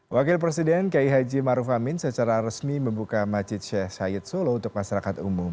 wakil presiden k i h j maruf amin secara resmi membuka macit syed solo untuk masyarakat umum